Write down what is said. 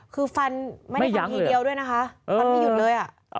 คือฟันไม่ได้ฟันทีเดียวด้วยนะฮะ